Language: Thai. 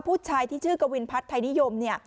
ผู้ชายที่ชื่อกวินพัฒน์ไทยนิยมเนี่ย